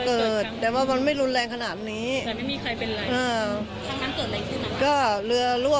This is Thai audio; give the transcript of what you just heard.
พูดสิทธิ์ข่าวธรรมดาทีวีรายงานสดจากโรงพยาบาลพระนครศรีอยุธยาครับ